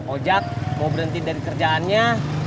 ojat mau berhenti dari kerjaannya